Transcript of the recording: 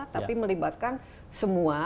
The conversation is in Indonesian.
tapi melibatkan semua